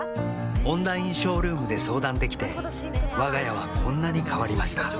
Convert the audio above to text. オンラインショールームで相談できてわが家はこんなに変わりました